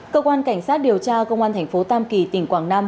cơ quan cảnh sát điều tra công an tp tam kỳ tỉnh quảng nam